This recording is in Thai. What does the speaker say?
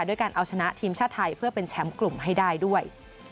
ด้วยการเอาชนะทีมชาติไทยเพื่อเป็นแชมป์กลุ่มให้ได้ด้วย